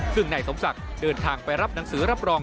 ซึ่งนายสมศักดิ์เดินทางไปรับหนังสือรับรอง